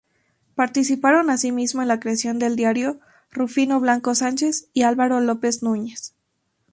Participaron asimismo en la creación del diario Rufino Blanco Sánchez y Álvaro López Núñez.